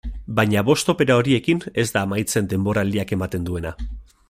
Baina bost opera horiekin ez da amaitzen denboraldiak ematen duena.